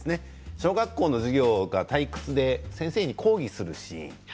小学校の授業が退屈で先生に抗議するシーン。